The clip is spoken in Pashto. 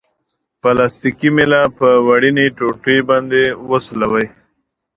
پلاستیکي میله په وړیني ټوټې باندې وسولوئ.